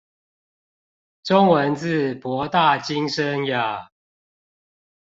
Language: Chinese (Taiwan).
中文字博大精深呀